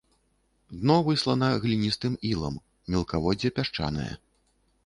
Дно выслана гліністым ілам, мелкаводдзе пясчанае.